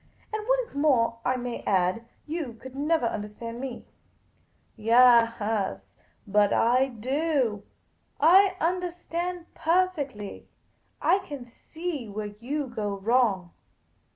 " And what is more, I may add, you could never understand me." " Yaas, but I do. I understand perfectly. I can see where you go wrong.